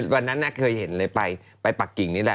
วันนั้นเคยเห็นเลยไปปักกิ่งนี่แหละ